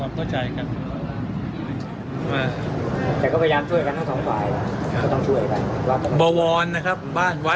ก็ไม่น่าจะดังกึ่งนะ